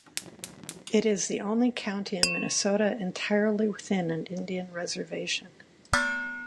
It is the only county in Minnesota entirely within an Indian reservation.